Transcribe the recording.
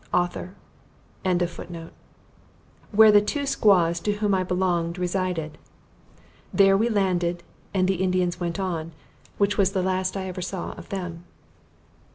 Author.] where the two Squaws to whom I belonged resided. There we landed, and the Indians went on; which was the last I ever saw of them.